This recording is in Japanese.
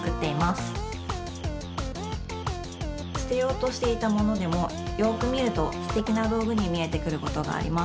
すてようとしていたものでもよくみるとすてきなどうぐにみえてくることがあります。